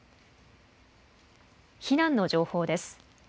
避難の情報です。